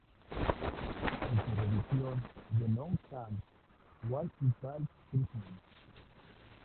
En su revisión de "Now That's What I Call Christmas!